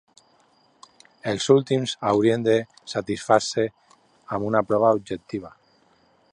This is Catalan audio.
Els últims haurien de satisfer-se amb una prova objectiva.